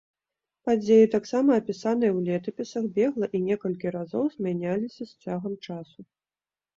Падзеі таксама апісаныя ў летапісах бегла і некалькі разоў змяняліся з цягам часу.